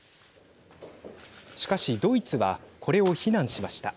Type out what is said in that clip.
しかしドイツはこれを非難しました。